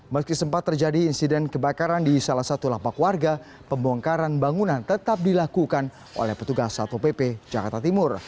meski sempat terjadi insiden kebakaran di salah satu lapak warga pembongkaran bangunan tetap dilakukan oleh petugas satpol pp jakarta timur